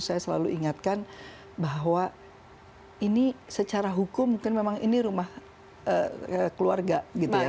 saya selalu ingatkan bahwa ini secara hukum mungkin memang ini rumah keluarga gitu ya